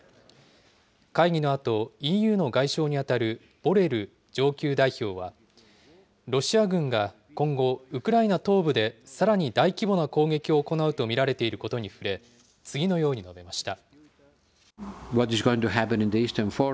会議のあと、ＥＵの外相に当たるボレル上級代表は、ロシア軍が今後、ウクライナ東部でさらに大規模な攻撃を行うと見られていることに触れ、次のように述べました。